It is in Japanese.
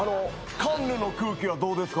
カンヌの空気はどうですか？